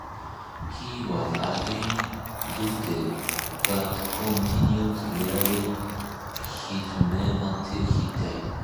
He was again wounded, but continued rallying his men until he died.